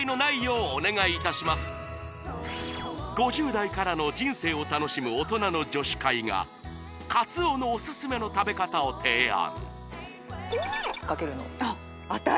５０代からの人生を楽しむ大人の女史会が鰹のオススメの食べ方を提案